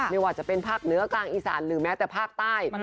ไม่ว่าจะเป็นภาคเหนือกลางอีสานหรือแม้แต่ภาคใต้